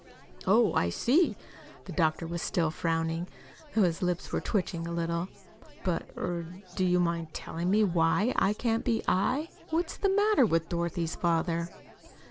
"Oh, I see." The doctor was still frowning, though his lips were twitching a little. "But er do you mind telling me why I can't be I? What's the matter with Dorothy's father?"